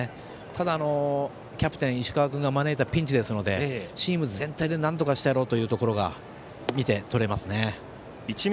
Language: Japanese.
ただ、キャプテン石川君が招いたピンチですので、チーム全体でなんとかしてやろうというところが見て取れますね。